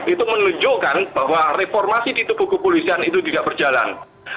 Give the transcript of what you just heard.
itu menunjukkan bahwa reformasi di tubuh kepolisian itu tidak berjalan